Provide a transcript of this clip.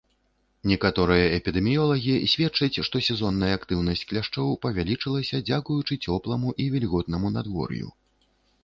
Некаторыя эпідэміёлагі сведчаць, што сезонная актыўнасць кляшчоў павялічылася дзякуючы цёпламу і вільготнаму надвор'ю.